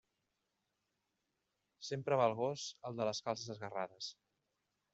Sempre va el gos al de les calces esgarrades.